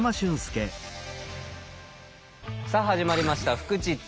さあ始まりました「フクチッチ」。